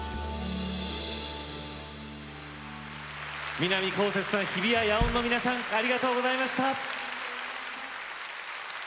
南こうせつさん日比谷野音の皆さんありがとうございました。